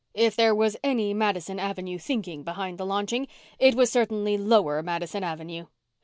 If there was any Madison Avenue thinking behind the launching it was certainly lower Madison Avenue.